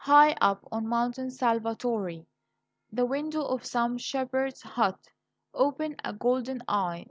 High up on Monte Salvatore the window of some shepherd's hut opened a golden eye.